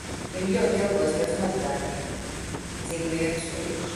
Viņi ļoti ilgojas pēc mazbērniem. Dzīve iet uz priekšu.